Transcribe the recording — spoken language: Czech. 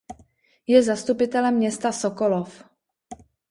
Je zastupitelem města Sokolov.